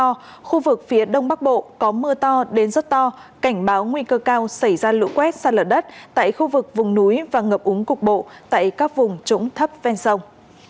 từ chiều nay đến ngày một mươi hai tháng một mươi ở khu vực bắc bộ và bắc trung bộ có mưa to đến rất to cảnh báo nguy cơ cao xảy ra lũ quét xa lở đất tại khu vực vùng núi và ngập úng cục bộ tại các vùng trống thấp ven sông